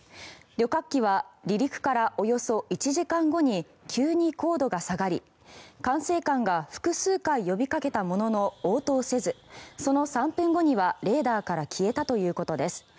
旅客機は離陸からおよそ１時間後に急に高度が下がり、管制官が複数回呼びかけたものの応答せずその３分後にはレーダーから消えたということです。